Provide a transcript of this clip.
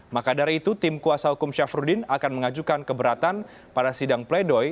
maka dari itu tim kuasa hukum syafruddin akan mengajukan keberatan pada sidang pledoi